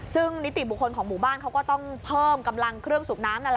ซึ่งนิติบุคคลของหมู่บ้านเขาก็ต้องเพิ่มกำลังเครื่องสูบน้ำนั่นแหละ